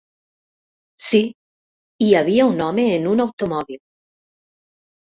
Sí, hi havia un home en un automòbil.